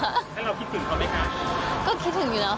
ให้เราคิดถึงเขาได้ไหมคะ